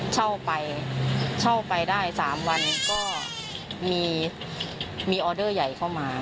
เช่าไปเช่าไปได้๓วันก็มีออเดอร์ใหญ่เข้ามา